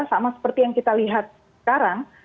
sama seperti yang kita lihat sekarang